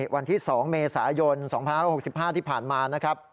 วันที่๒เมษายน๒๑๖๕ที่ผ่านมานะครับ